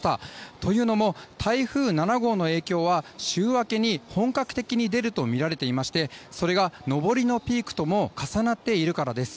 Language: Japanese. というのも台風７号の影響は週明けに本格的に出るとみられていましてそれが上りのピークとも重なっているからです。